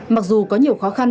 mặc dù có nhiều khó khăn